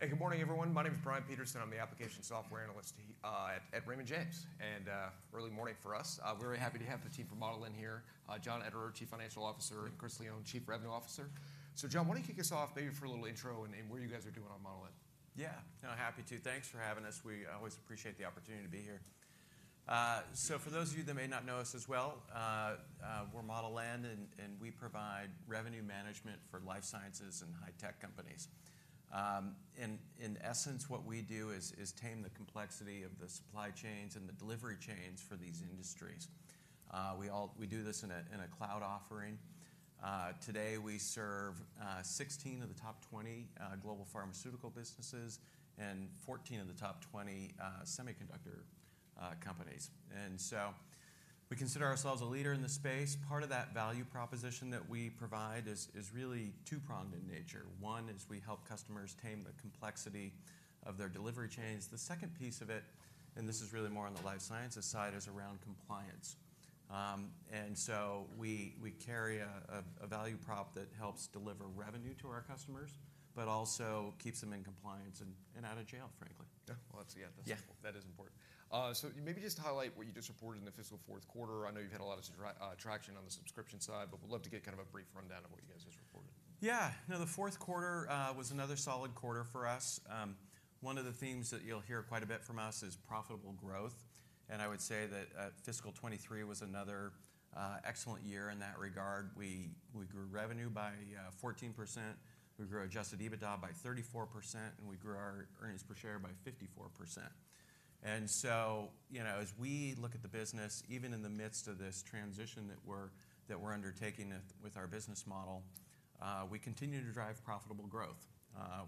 Hey, good morning, everyone. My name is Brian Peterson. I'm the application software analyst at Raymond James. We're very happy to have the team from Model N here. John Ederer, Chief Financial Officer, and Chris Lyon, Chief Revenue Officer. So John, why don't you kick us off, maybe for a little intro, and what you guys are doing on Model N? Yeah, happy to. Thanks for having us. We always appreciate the opportunity to be here. So for those of you that may not know us as well, we're Model N, and we provide revenue management for life sciences and high-tech companies. In essence, what we do is tame the complexity of the supply chains and the delivery chains for these industries. We do this in a cloud offering. Today, we serve 16 of the top 20 global pharmaceutical businesses and 14 of the top 20 semiconductor companies. And so we consider ourselves a leader in the space. Part of that value proposition that we provide is really two-pronged in nature. One is we help customers tame the complexity of their delivery chains. The second piece of it, and this is really more on the life sciences side, is around compliance. And so we carry a value prop that helps deliver revenue to our customers, but also keeps them in compliance and out of jail, frankly. Yeah. Well, that's, yeah. Yeah. That is important. So maybe just to highlight what you just reported in the fiscal fourth quarter. I know you've had a lot of traction on the subscription side, but we'd love to get kind of a brief rundown of what you guys just reported. Yeah. You know, the fourth quarter was another solid quarter for us. One of the themes that you'll hear quite a bit from us is profitable growth, and I would say that, fiscal 2023 was another, excellent year in that regard. We grew revenue by 14%, we grew adjusted EBITDA by 34%, and we grew our earnings per share by 54%. And so, you know, as we look at the business, even in the midst of this transition that we're undertaking with our business model, we continue to drive profitable growth.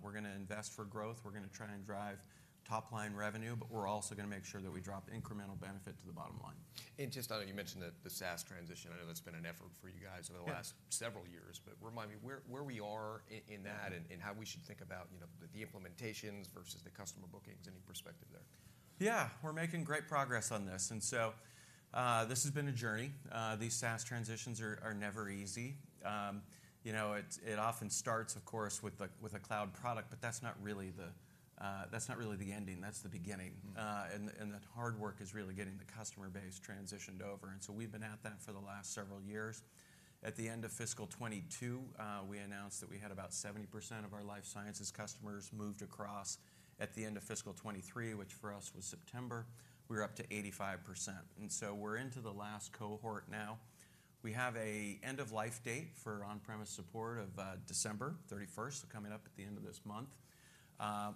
We're going to invest for growth. We're going to try and drive top-line revenue, but we're also going to make sure that we drop incremental benefit to the bottom line. Just, I know you mentioned the SaaS transition. I know that's been an effort for you guys- Yeah Over the last several years. But remind me where we are in that and how we should think about, you know, the implementations versus the customer bookings. Any perspective there? Yeah. We're making great progress on this, and so, this has been a journey. These SaaS transitions are never easy. You know, it often starts, of course, with a cloud product, but that's not really the ending, that's the beginning. Mm-hmm. And the hard work is really getting the customer base transitioned over, and so we've been at that for the last several years. At the end of fiscal 2022, we announced that we had about 70% of our life sciences customers moved across. At the end of fiscal 2023, which for us was September, we were up to 85%, and so we're into the last cohort now. We have an end-of-life date for on-premise support of December thirty-first, so coming up at the end of this month.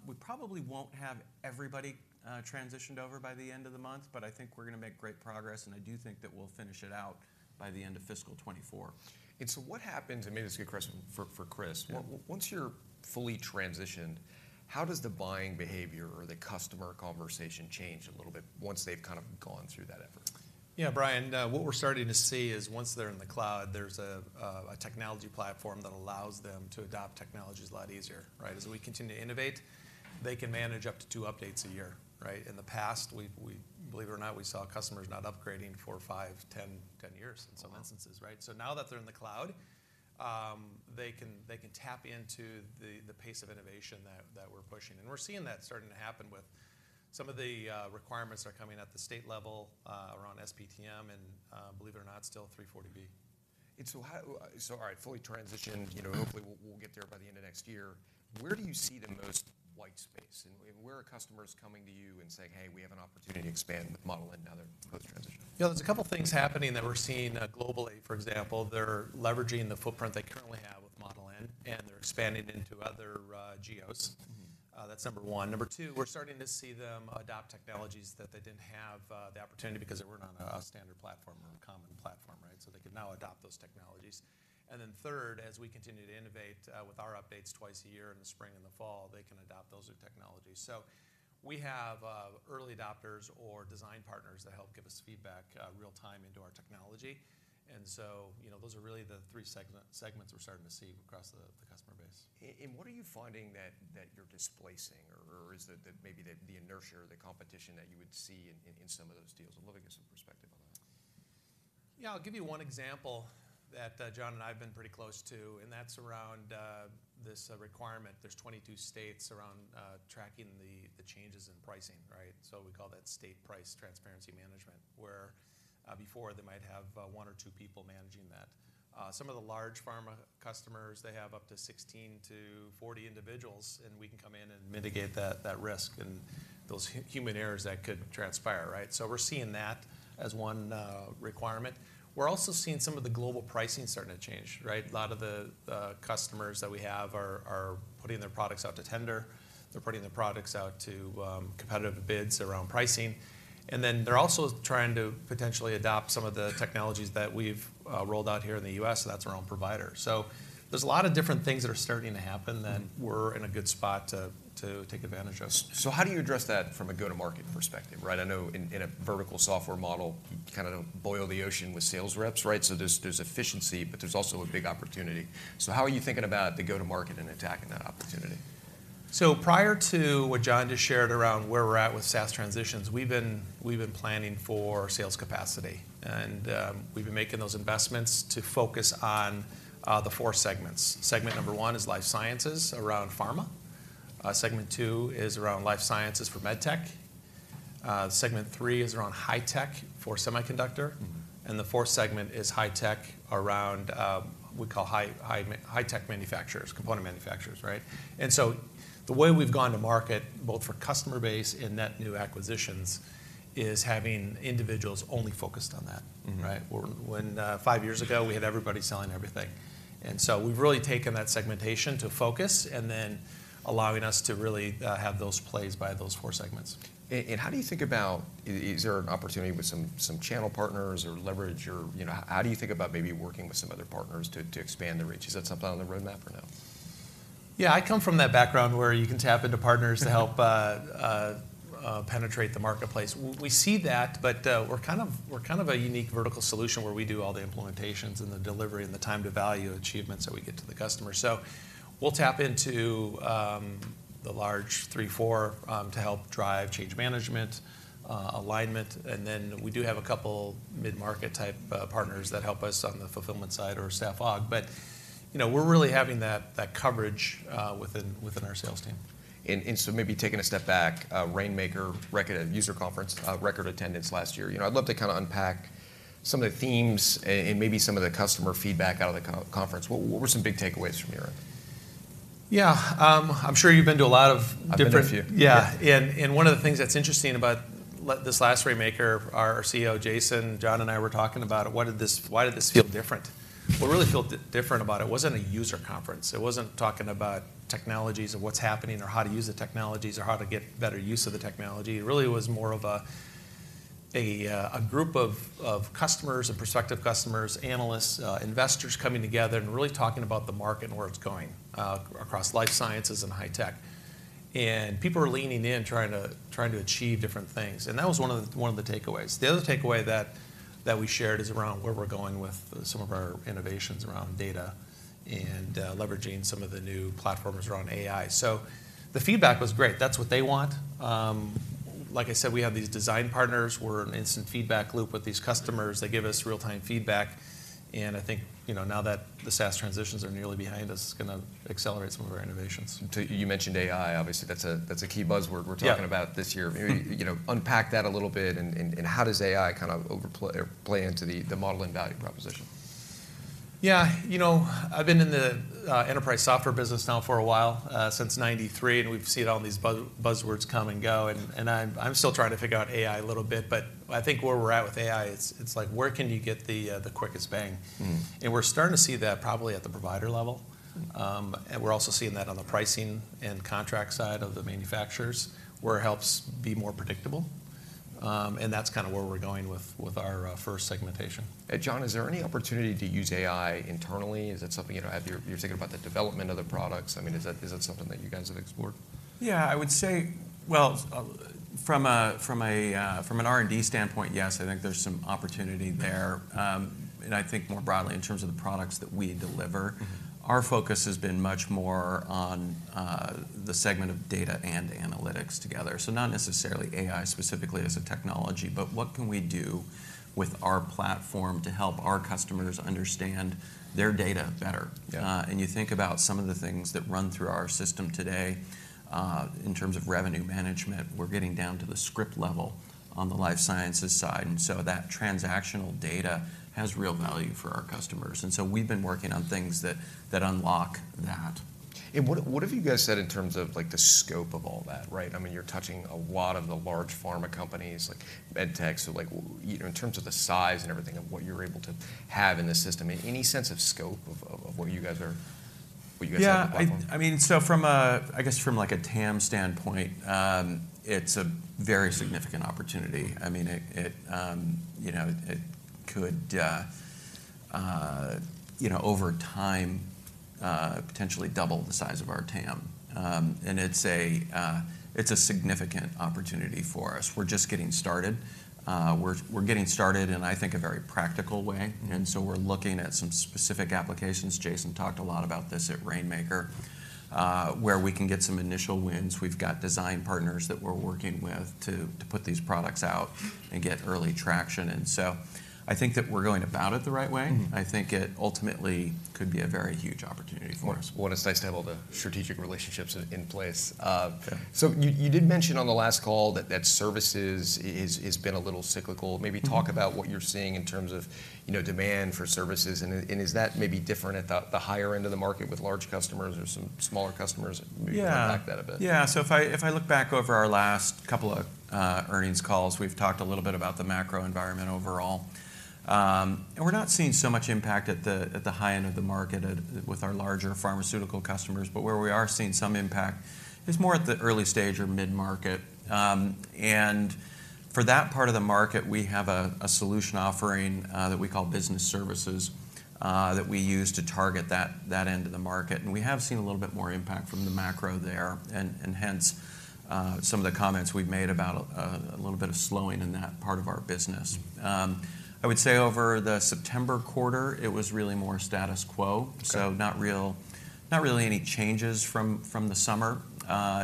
We probably won't have everybody transitioned over by the end of the month, but I think we're going to make great progress, and I do think that we'll finish it out by the end of fiscal 2024. And so what happens. Maybe this is a good question for Chris. Yeah. Once you're fully transitioned, how does the buying behavior or the customer conversation change a little bit once they've kind of gone through that effort? Yeah, Brian, what we're starting to see is once they're in the cloud, there's a technology platform that allows them to adopt technologies a lot easier, right? As we continue to innovate, they can manage up to two updates a year, right? In the past, believe it or not, we saw customers not upgrading for five, 10 years. Wow In some instances, right? So now that they're in the cloud, they can tap into the pace of innovation that we're pushing. And we're seeing that starting to happen with some of the requirements that are coming at the state level around SPTM and, believe it or not, still 340B. So how, fully transitioned, you know, hopefully we'll get there by the end of next year. Where do you see the most white space, and where are customers coming to you and saying, "Hey, we have an opportunity to expand with Model N now they're post-transition? Yeah, there's a couple things happening that we're seeing, globally. For example, they're leveraging the footprint they currently have with Model N, and they're expanding into other, geos. Mm-hmm. That's number one. Number two, we're starting to see them adopt technologies that they didn't have the opportunity because they weren't on a standard platform or a common platform, right? So they can now adopt those technologies. And then third, as we continue to innovate with our updates twice a year, in the spring and the fall, they can adopt those new technologies. So we have early adopters or Design Partners that help give us feedback real-time into our technology. And so, you know, those are really the three segments we're starting to see across the customer base. What are you finding that you're displacing, or is it that maybe the inertia or the competition that you would see in some of those deals? I'd love to get some perspective on that. Yeah, I'll give you one example that John and I have been pretty close to, and that's around this requirement. There's 22 states around tracking the changes in pricing, right? So we call that State Price Transparency Management, where before, they might have one or two people managing that. Some of the large pharma customers, they have up to 16-40 individuals, and we can come in and mitigate that risk and those human errors that could transpire, right? So we're seeing that as one requirement. We're also seeing some of the global pricing starting to change, right? A lot of the customers that we have are putting their products out to tender. They're putting their products out to competitive bids around pricing, and then they're also trying to potentially adopt some of the technologies that we've rolled out here in the U.S., so that's our own provider. So there's a lot of different things that are starting to happen- Mm-hmm That we're in a good spot to take advantage of. So how do you address that from a go-to-market perspective, right? I know in a vertical software model, you kind of boil the ocean with sales reps, right? So there's efficiency, but there's also a big opportunity. So how are you thinking about the go-to-market and attacking that opportunity? So prior to what John just shared around where we're at with SaaS transitions, we've been planning for sales capacity, and we've been making those investments to focus on the four segments. Segment number one is life sciences around pharma. Segment two is around life sciences for Medtech. Segment three is around high-tech for semiconductor. Mm-hmm. The fourth segment is high-tech around, we call high-tech manufacturers, component manufacturers, right? And so the way we've gone to market, both for customer base and net new acquisitions, is having individuals only focused on that. Mm-hmm. Right? Where, when five years ago, we had everybody selling everything. And so we've really taken that segmentation to focus, and then allowing us to really have those plays by those four segments. How do you think about. Is there an opportunity with some channel partners or leverage or, you know, how do you think about maybe working with some other partners to expand the reach? Is that something on the roadmap or no? Yeah, I come from that background where you can tap into partners to help penetrate the marketplace. We see that, but, we're kind of, we're kind of a unique vertical solution, where we do all the implementations and the delivery and the time-to-value achievements that we get to the customer. So we'll tap into the large three, four to help drive change management, alignment, and then we do have a couple mid-market-type partners that help us on the fulfillment side or staff aug. But, you know, we're really having that, that coverage within, within our sales team. So maybe taking a step back, Rainmaker user conference, record attendance last year. You know, I'd love to kind of unpack some of the themes and maybe some of the customer feedback out of the conference. What were some big takeaways from your end? Yeah, I'm sure you've been to a lot of different- I've been to a few. Yeah. One of the things that's interesting about this last Rainmaker, our CEO, Jason, John, and I were talking about: What did this. Why did this feel different? Mm-hmm. What really felt different about it? It wasn't a user conference. It wasn't talking about technologies and what's happening, or how to use the technologies, or how to get better use of the technology. It really was more of a group of customers and prospective customers, analysts, investors coming together and really talking about the market and where it's going across life sciences and high tech. And people are leaning in, trying to achieve different things, and that was one of the takeaways. The other takeaway that we shared is around where we're going with some of our innovations around data and leveraging some of the new platforms around AI. So the feedback was great. That's what they want. Like I said, we have these design partners. We're an instant feedback loop with these customers. They give us real-time feedback, and I think, you know, now that the SaaS transitions are nearly behind us, it's gonna accelerate some of our innovations. You mentioned AI. Obviously, that's a, that's a key buzzword- Yeah We're talking about this year. You know, unpack that a little bit, and how does AI kind of overplay or play into the model and value proposition? Yeah. You know, I've been in the enterprise software business now for a while since 1993, and we've seen all these buzzwords come and go, and I'm still trying to figure out AI a little bit. But I think where we're at with AI, it's like: Where can you get the quickest bang? Mm-hmm. We're starting to see that probably at the provider level. Mm-hmm. And we're also seeing that on the pricing and contract side of the manufacturers, where it helps be more predictable. And that's kind of where we're going with our first segmentation. John, is there any opportunity to use AI internally? Is that something, you know, as you're thinking about the development of the products? I mean, is that something that you guys have explored? Yeah, I would say. Well, from an R&D standpoint, yes, I think there's some opportunity there. And I think more broadly in terms of the products that we deliver. Mm-hmm Our focus has been much more on the segment of data and analytics together. So not necessarily AI specifically as a technology, but what can we do with our platform to help our customers understand their data better? Yeah. And you think about some of the things that run through our system today, in terms of revenue management, we're getting down to the script level on the life sciences side, and so that transactional data has real value for our customers. And so we've been working on things that unlock that. And what, what have you guys said in terms of, like, the scope of all that, right? I mean, you're touching a lot of the large pharma companies, like Med Tech. So, like, you know, in terms of the size and everything of what you're able to have in the system, any sense of scope of, of, of what you guys are, what you guys have on the platform? Yeah, I mean, so from a, I guess, like, a TAM standpoint, it's a very significant opportunity. I mean, you know, it could you know, over time potentially double the size of our TAM. And it's a significant opportunity for us. We're just getting started. We're getting started in, I think, a very practical way. Mm-hmm. So we're looking at some specific applications, Jason talked a lot about this at Rainmaker, where we can get some initial wins. We've got Design Partners that we're working with to put these products out and get early traction, and so I think that we're going about it the right way. Mm-hmm. I think it ultimately could be a very huge opportunity for us. Well, well, it's nice to have all the strategic relationships in place. Yeah. So you did mention on the last call that services is been a little cyclical. Mm-hmm. Maybe talk about what you're seeing in terms of, you know, demand for services, and is that maybe different at the higher end of the market with large customers or some smaller customers? Yeah. Maybe unpack that a bit. Yeah, so if I look back over our last couple of earnings calls, we've talked a little bit about the macro environment overall. And we're not seeing so much impact at the high end of the market with our larger pharmaceutical customers, but where we are seeing some impact is more at the early stage or mid-market. And for that part of the market, we have a solution offering that we call business services that we use to target that end of the market, and we have seen a little bit more impact from the macro there, and hence some of the comments we've made about a little bit of slowing in that part of our business. Mm-hmm. I would say over the September quarter, it was really more status quo. Okay. So not real, not really any changes from, from the summer.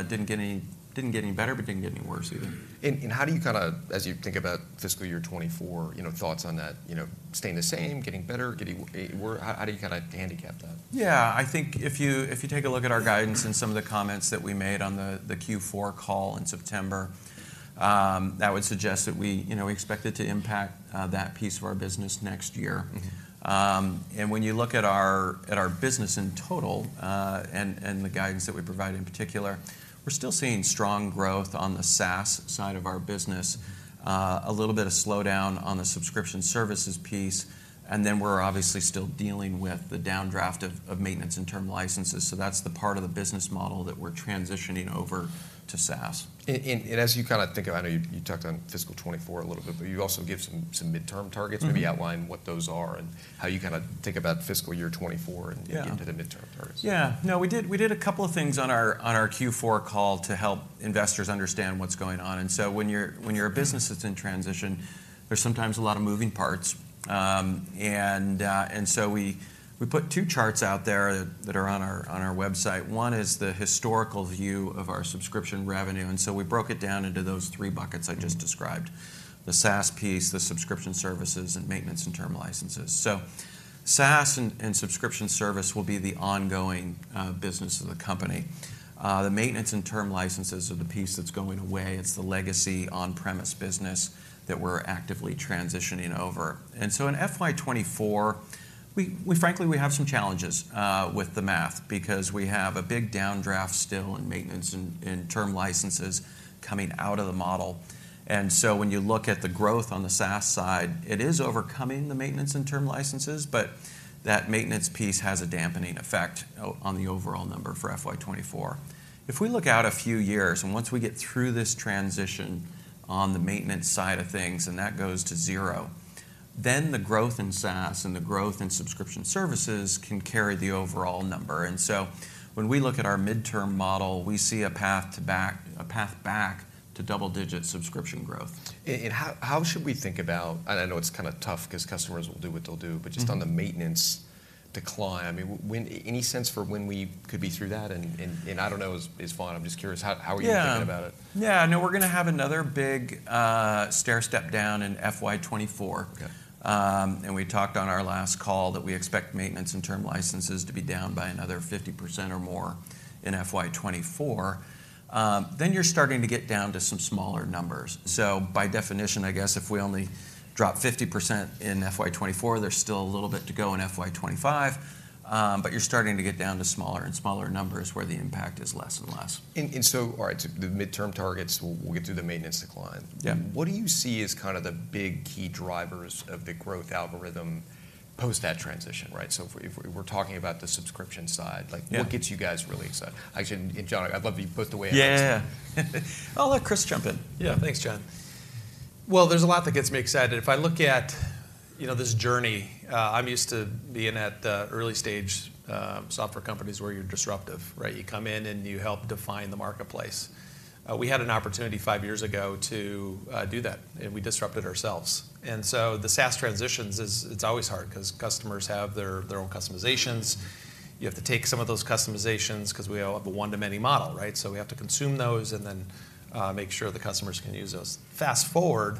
Didn't get any, didn't get any better, but didn't get any worse either. And how do you kind of, as you think about fiscal year 2024, you know, thoughts on that, you know, staying the same, getting better, getting worse, how do you kind of handicap that? Yeah, I think if you take a look at our guidance and some of the comments that we made on the Q4 call in September, that would suggest that we, you know, we expect it to impact that piece of our business next year. Mm-hmm. And when you look at our business in total, and the guidance that we provide in particular, we're still seeing strong growth on the SaaS side of our business. A little bit of slowdown on the subscription services piece, and then we're obviously still dealing with the downdraft of maintenance and term licenses. So that's the part of the business model that we're transitioning over to SaaS. As you kind of think about it, I know you touched on fiscal 2024 a little bit, but you also gave some midterm targets. Mm-hmm. Maybe outline what those are and how you kind of think about fiscal year 2024. Yeah And get into the midterm targets. Yeah. No, we did a couple of things on our Q4 call to help investors understand what's going on. So when you're a business that's in transition, there's sometimes a lot of moving parts. And so we put two charts out there that are on our website. One is the historical view of our subscription revenue, and so we broke it down into those three buckets I just described- Mm-hmm The SaaS piece, the subscription services, and maintenance and term licenses. So SaaS and subscription service will be the ongoing business of the company. The maintenance and term licenses are the piece that's going away. It's the legacy on-premise business that we're actively transitioning over. And so in FY 2024, we frankly have some challenges with the math because we have a big downdraft still in maintenance and term licenses coming out of the model. And so when you look at the growth on the SaaS side, it is overcoming the maintenance and term licenses, but that maintenance piece has a dampening effect out on the overall number for FY 2024. If we look out a few years, and once we get through this transition on the maintenance side of things, and that goes to zero, then the growth in SaaS and the growth in subscription services can carry the overall number. And so when we look at our midterm model, we see a path to back, a path back to double-digit subscription growth. And how should we think about. And I know it's kind of tough 'cause customers will do what they'll do- Mm But just on the maintenance decline, I mean, when any sense for when we could be through that? And I don't know is fine. I'm just curious, how are you- Yeah Thinking about it? Yeah. No, we're gonna have another big, stairstep down in FY 2024. Okay. And we talked on our last call that we expect maintenance and term licenses to be down by another 50% or more in FY 2024. Then you're starting to get down to some smaller numbers. So by definition, I guess, if we only drop 50% in FY 2024, there's still a little bit to go in FY 2025, but you're starting to get down to smaller and smaller numbers, where the impact is less and less. So the midterm targets, we'll get through the maintenance decline. Yeah. What do you see as kind of the big key drivers of the growth algorithm post that transition, right? So if we're talking about the subscription side, like. Yeah What gets you guys really excited? Actually, and John, I'd love to put the way out. Yeah. I'll let Chris jump in. Yeah. Thanks, John. Well, there's a lot that gets me excited. If I look at, you know, this journey, I'm used to being at early-stage software companies, where you're disruptive, right? You come in, and you help define the marketplace. We had an opportunity five years ago to do that, and we disrupted ourselves. And so the SaaS transition is. It's always hard 'cause customers have their, their own customizations. You have to take some of those customizations 'cause we all have a one-to-many model, right? So we have to consume those and then make sure the customers can use those. Fast forward,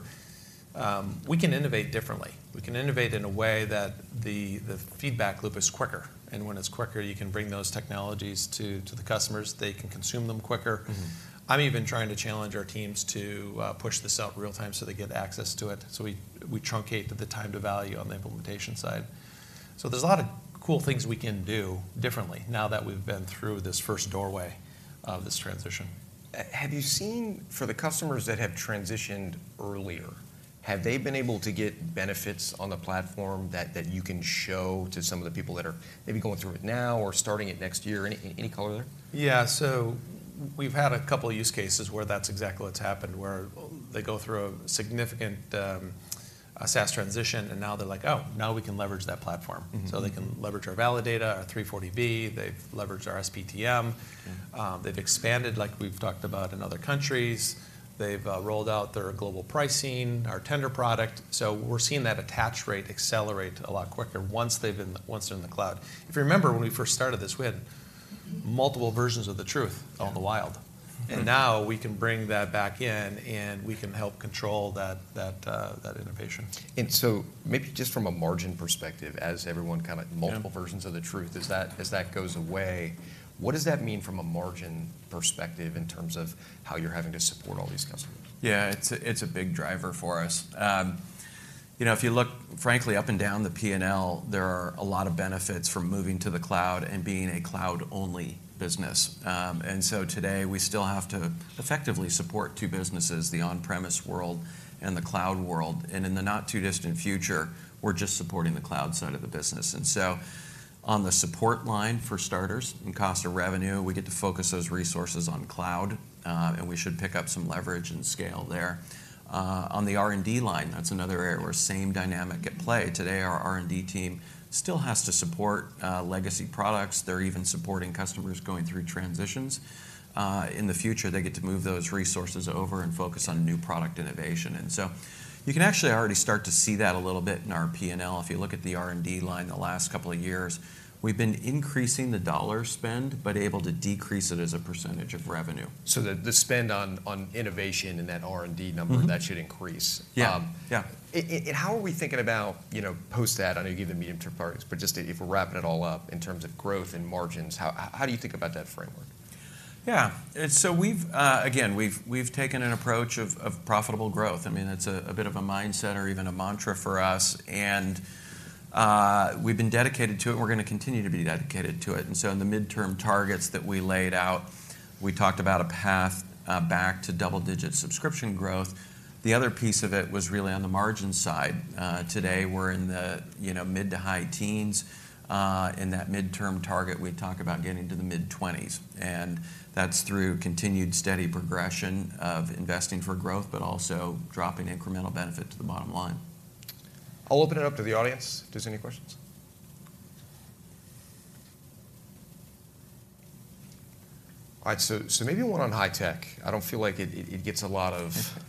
we can innovate differently. We can innovate in a way that the feedback loop is quicker, and when it's quicker, you can bring those technologies to the customers. They can consume them quicker. Mm-hmm. I'm even trying to challenge our teams to push this out real time, so they get access to it, so we, we truncate the time to value on the implementation side. So there's a lot of cool things we can do differently now that we've been through this first doorway of this transition. Have you seen, for the customers that have transitioned earlier, have they been able to get benefits on the platform that, that you can show to some of the people that are maybe going through it now or starting it next year? Any color there? Yeah. So we've had a couple use cases where that's exactly what's happened, where they go through a significant SaaS transition, and now they're like, "Oh, now we can leverage that platform. Mm-hmm. So they can leverage our Validata, our 340B. They've leveraged our SPTM. Mm. They've expanded, like we've talked about, in other countries. They've rolled out their Global Pricing, our Tender product. So we're seeing that attach rate accelerate a lot quicker once they're in the cloud. If you remember, when we first started this, we had multiple versions of the truth- Yeah Out in the wild. Mm-hmm. Now we can bring that back in, and we can help control that innovation. Maybe just from a margin perspective, as everyone kind of. Yeah Multiple versions of the truth, as that goes away, what does that mean from a margin perspective in terms of how you're having to support all these customers? Yeah, it's a big driver for us. You know, if you look frankly up and down the P&L, there are a lot of benefits from moving to the cloud and being a cloud-only business. And so today, we still have to effectively support two businesses, the on-premise world and the cloud world, and in the not-too-distant future, we're just supporting the cloud side of the business. And so on the support line, for starters, in cost of revenue, we get to focus those resources on cloud, and we should pick up some leverage and scale there. On the R&D line, that's another area where same dynamic at play. Today, our R&D team still has to support legacy products. They're even supporting customers going through transitions. In the future, they get to move those resources over and focus on new product innovation. So you can actually already start to see that a little bit in our P&L. If you look at the R&D line the last couple of years, we've been increasing the dollar spend but able to decrease it as a percentage of revenue. So the spend on innovation and that R&D number- Mm-hmm That should increase. Yeah, yeah. How are we thinking about, you know, post that? I know you gave the midterm parts, but just if we're wrapping it all up in terms of growth and margins, how do you think about that framework? Yeah. And so we've again, we've taken an approach of profitable growth. I mean, it's a bit of a mindset or even a mantra for us. And we've been dedicated to it, and we're gonna continue to be dedicated to it. And so in the midterm targets that we laid out, we talked about a path back to double-digit subscription growth. The other piece of it was really on the margin side. Today, we're in the, you know, mid- to high teens. In that midterm target, we talk about getting to the mid-twenties, and that's through continued steady progression of investing for growth, but also dropping incremental benefit to the bottom line. I'll open it up to the audience. There's any questions? All right, so maybe one on high-tech. I don't feel like it gets a lot of,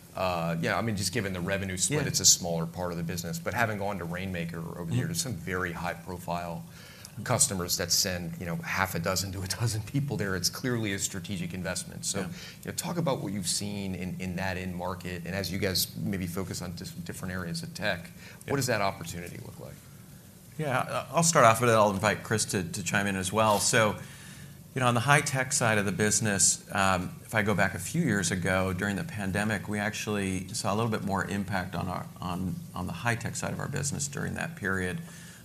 yeah, I mean, just given the revenue split. Yeah It's a smaller part of the business. But having gone to Rainmaker over the years- Mm-hmm There's some very high-profile customers that send, you know, six-12 people there. It's clearly a strategic investment. Yeah. So, you know, talk about what you've seen in that end market, and as you guys maybe focus on just different areas of tech. Yeah What does that opportunity look like? Yeah, I, I'll start off with it, then I'll invite Chris to chime in as well. So, you know, on the high-tech side of the business, if I go back a few years ago, during the pandemic, we actually saw a little bit more impact on our on the high-tech side of our business during that period.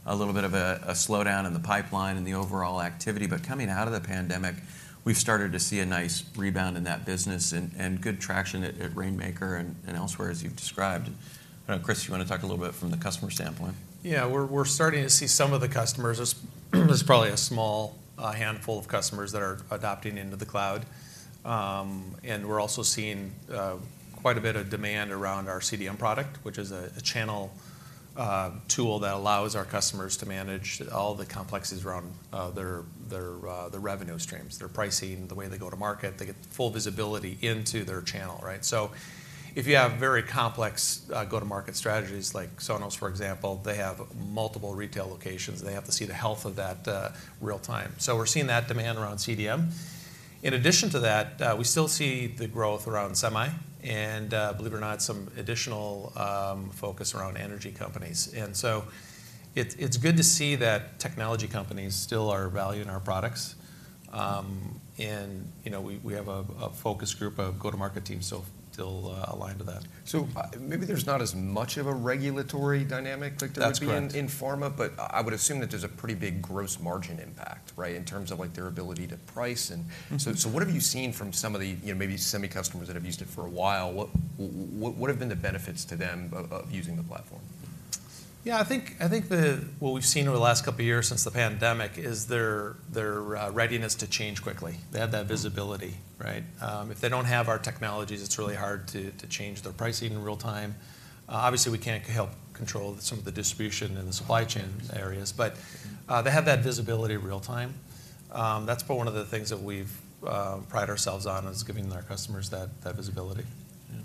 A little bit of a slowdown in the pipeline and the overall activity, but coming out of the pandemic, we've started to see a nice rebound in that business and good traction at Rainmaker and elsewhere, as you've described. Chris, you want to talk a little bit from the customer standpoint? Yeah. We're starting to see some of the customers. There's probably a small handful of customers that are adopting into the cloud. And we're also seeing quite a bit of demand around our CDM product, which is a channel tool that allows our customers to manage all the complexities around their revenue streams, their pricing, the way they go to market. They get full visibility into their channel, right? So if you have very complex go-to-market strategies, like Sonos, for example, they have multiple retail locations, and they have to see the health of that real time. So we're seeing that demand around CDM. In addition to that, we still see the growth around semi and, believe it or not, some additional focus around energy companies. It's good to see that technology companies still are valuing our products. You know, we have a focus group, a go-to-market team, so still aligned to that. So, maybe there's not as much of a regulatory dynamic like- That's correct There would be in pharma, but I would assume that there's a pretty big gross margin impact, right? In terms of, like, their ability to price and- Mm-hmm. So, what have you seen from some of the, you know, maybe semi customers that have used it for a while? What have been the benefits to them of using the platform? Yeah, I think, I think the, what we've seen over the last couple of years since the pandemic is their, their readiness to change quickly. Mm-hmm. They have that visibility, right? If they don't have our technologies, it's really hard to change their pricing in real time. Obviously, we can't help control some of the distribution and the supply chain areas, but. Mm-hmm They have that visibility real time. That's probably one of the things that we've pride ourselves on, is giving our customers that, that visibility. Yeah.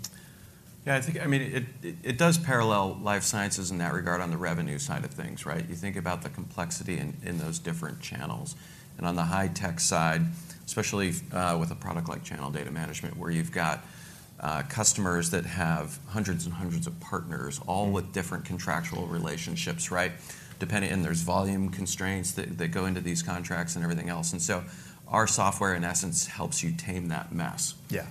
Yeah, I think, I mean, it does parallel life sciences in that regard on the revenue side of things, right? You think about the complexity in those different channels. And on the high-tech side, especially, with a product like Channel Data Management, where you've got customers that have hundreds and hundreds of partners. Mm-hmm All with different contractual relationships, right? Depending and there's volume constraints that go into these contracts and everything else, and so our software, in essence, helps you tame that mess. Yeah.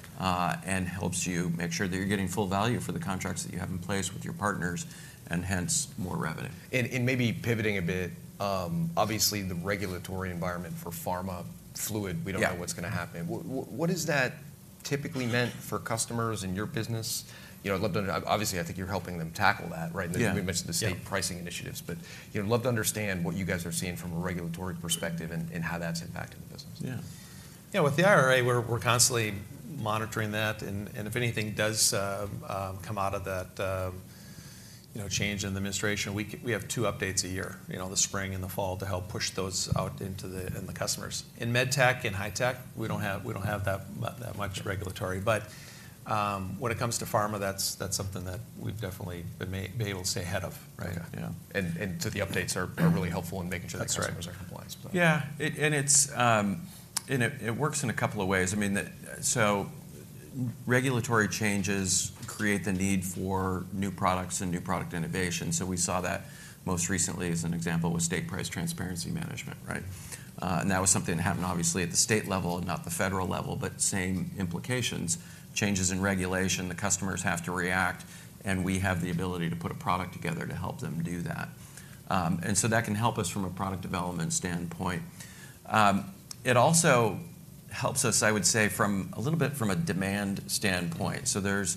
And helps you make sure that you're getting full value for the contracts that you have in place with your partners, and hence, more revenue. Maybe pivoting a bit, obviously, the regulatory environment for pharma, fluid. Yeah We don't know what's gonna happen. What does that typically mean for customers in your business? You know, I'd love to. Obviously, I think you're helping them tackle that, right? Yeah. We mentioned the. Yeah State pricing initiatives, but, you know, I'd love to understand what you guys are seeing from a regulatory perspective and how that's impacting the business. Yeah. Yeah, with the IRA, we're constantly monitoring that, and if anything does come out of that, you know, change in the administration, we have two updates a year, you know, the spring and the fall, to help push those out into the customers. In Med Tech and high-tech, we don't have that much. Yeah Regulatory, but when it comes to pharma, that's something that we've definitely been able to stay ahead of, right? Yeah. You know? The updates are- Yeah Are really helpful in making sure that. That's right Customers are compliant, but. Yeah, it, and it's, and it works in a couple of ways. I mean, so regulatory changes create the need for new products and new product innovation. So we saw that most recently, as an example, with State Price Transparency Management, right? And that was something that happened obviously at the state level, not the federal level, but same implications. Changes in regulation, the customers have to react, and we have the ability to put a product together to help them do that. And so that can help us from a product development standpoint. It also helps us, I would say, from a little bit from a demand standpoint. So there's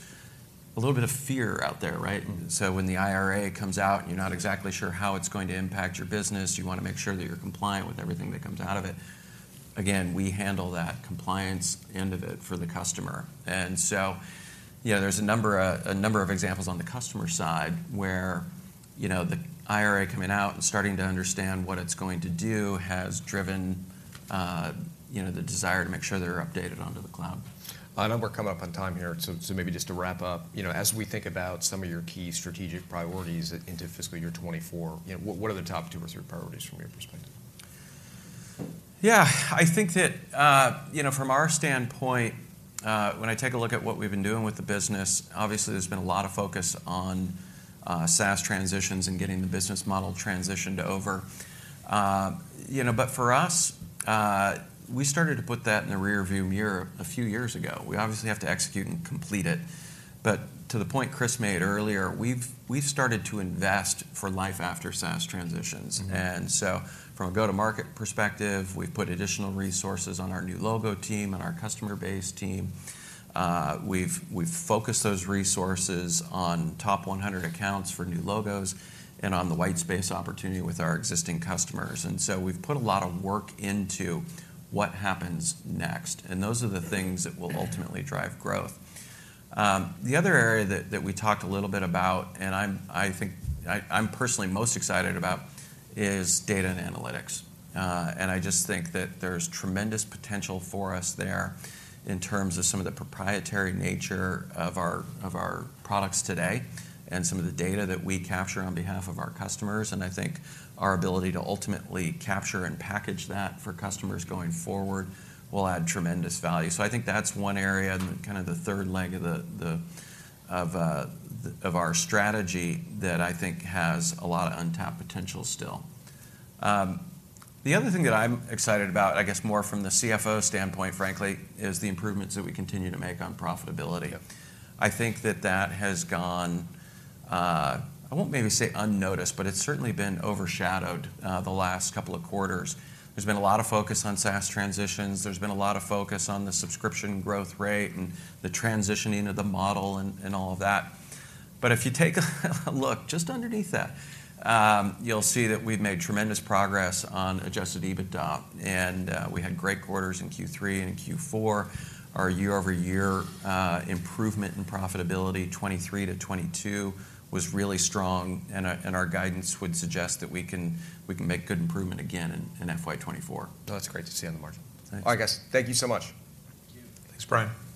a little bit of fear out there, right? Mm-hmm. So when the IRA comes out, and you're not exactly sure how it's going to impact your business, you wanna make sure that you're compliant with everything that comes out of it. Again, we handle that compliance end of it for the customer. And so, you know, there's a number, a number of examples on the customer side, where, you know, the IRA coming out and starting to understand what it's going to do has driven, you know, the desire to make sure they're updated onto the cloud. I know we're coming up on time here, so maybe just to wrap up, you know, as we think about some of your key strategic priorities into fiscal year 2024, you know, what are the top two or three priorities from your perspective? Yeah, I think that, you know, from our standpoint, when I take a look at what we've been doing with the business, obviously, there's been a lot of focus on SaaS transitions and getting the business model transitioned over. You know, but for us, we started to put that in the rearview mirror a few years ago. We obviously have to execute and complete it. But to the point Chris made earlier, we've, we've started to invest for life after SaaS transitions. Mm-hmm. From a go-to-market perspective, we've put additional resources on our new logo team and our customer base team. We've focused those resources on top 100 accounts for new logos and on the White Space opportunity with our existing customers. We've put a lot of work into what happens next, and those are the things that will ultimately drive growth. The other area that we talked a little bit about, and I think I'm personally most excited about, is data and analytics. I just think that there's tremendous potential for us there in terms of some of the proprietary nature of our products today, and some of the data that we capture on behalf of our customers, and I think our ability to ultimately capture and package that for customers going forward will add tremendous value. So I think that's one area and kind of the third leg of our strategy that I think has a lot of untapped potential still. The other thing that I'm excited about, I guess, more from the CFO standpoint, frankly, is the improvements that we continue to make on profitability. I think that that has gone, I won't maybe say unnoticed, but it's certainly been overshadowed, the last couple of quarters. There's been a lot of focus on SaaS transitions. There's been a lot of focus on the subscription growth rate and the transitioning of the model and all of that. But if you take a look just underneath that, you'll see that we've made tremendous progress on adjusted EBITDA, and we had great quarters in Q3 and Q4. Our year-over-year improvement in profitability, 2023 to 2022, was really strong, and our, and our guidance would suggest that we can, we can make good improvement again in, in FY 2024. That's great to see on the margin. Thanks. All right, guys. Thank you so much. Thank you. Thanks, Brian.